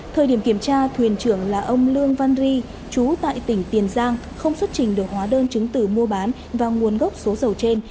thời điểm kiểm tra thuyền trưởng là ông lương văn ri chú tại tỉnh tiền giang không xuất trình được hóa đơn chứng tử mua bán và nguồn gốc số dầu trên